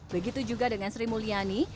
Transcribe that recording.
begitu juga dengan sri mulyani